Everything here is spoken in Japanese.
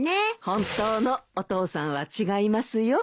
本当のお父さんは違いますよ。